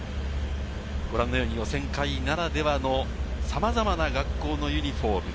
ご覧のように予選会ならではのさまざまな学校のユニホーム。